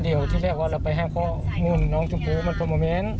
พอเดียวที่แรกว่าเหลือไปแห้งพ่อหุ้นน้องชมพู่มันแสดง